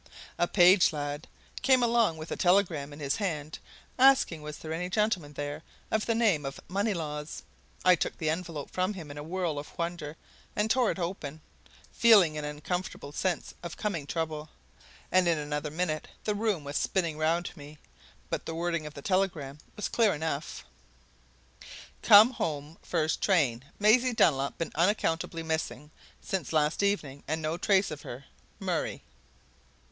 A page lad came along with a telegram in his hand asking was there any gentleman there of the name of Moneylaws? I took the envelope from him in a whirl of wonder, and tore it open, feeling an unaccountable sense of coming trouble. And in another minute the room was spinning round me; but the wording of the telegram was clear enough: "Come home first train Maisie Dunlop been unaccountably missing since last evening and no trace of her. Murray."